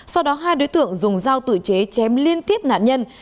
sau đó hai đối tượng dùng dao tự chế chém liên tiếp nạn nhân